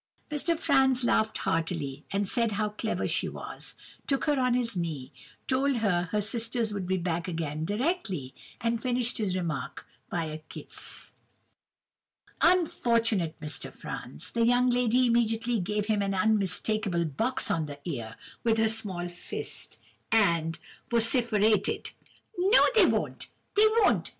"Mr. Franz laughed heartily, and said how clever she was, took her on his knee, told her her sisters would be back again directly, and finished his remark by a kiss. "Unfortunate Mr. Franz! The young lady immediately gave him an unmistakable box on the ear with her small fist, and vociferated "No, they won't, they won't, they won't!